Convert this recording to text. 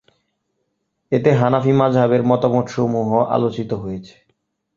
এতে হানাফী মাযহাবের মতামতসমূহ আলোচিত হয়েছে।